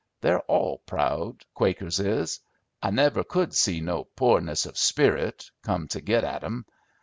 They're all proud, Quakers is. I never could see no 'poorness of spirit,' come to git at 'em.